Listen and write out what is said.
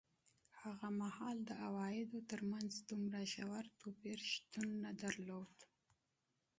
هغه مهال د عوایدو ترمنځ دومره ژور توپیر شتون نه درلود.